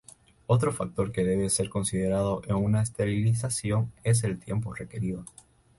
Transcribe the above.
Otro factor que debe ser considerado en una esterilización es el tiempo requerido.